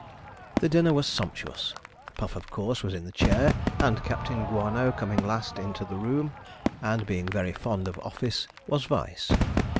The dinner was sumptuous. Puff, of course, was in the chair; and Captain Guano coming last into the room, and being very fond of office, was vice.